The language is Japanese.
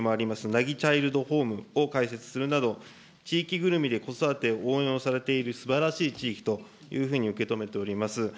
奈義チャイルドホームを開設するなど、地域ぐるみで子育てを応援されているすばらしい地域というふうに受け止めております。